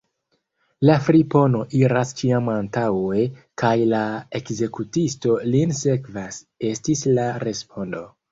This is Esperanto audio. La fripono iras ĉiam antaŭe, kaj la ekzekutisto lin sekvas, estis la respondo.